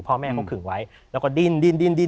พ่อแม่เขาขึงไว้แล้วก็ดิ้น